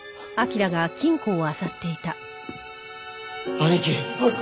兄貴！